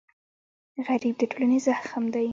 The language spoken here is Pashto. غریب د ټولنې زخم دی